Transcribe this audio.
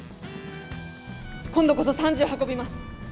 今度こそ３０運びます。